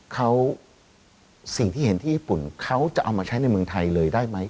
เขาสิ่งที่เห็นที่ญี่ปุ่นเขาจะเอามาใช้ในเมืองไทยเลยได้ไหม